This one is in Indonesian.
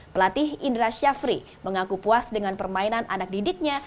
pelatih indra syafri mengaku puas dengan permainan anak didiknya